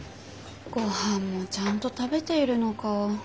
ごはんもちゃんと食べているのか。